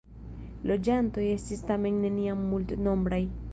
Loĝantoj estis tamen neniam multnombraj.